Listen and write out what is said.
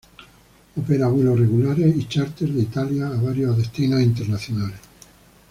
Opera vuelos regulares y chárter de Italia a varios destinos internacionales.